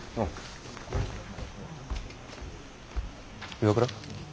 岩倉？